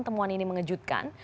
temuan ini mengejutkan